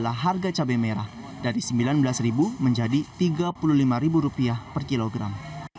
harga cabai merah dari sembilan belas menjadi tiga puluh lima rupiah per kilogram